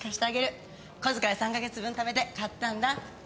小遣い３カ月分ためて買ったんだ。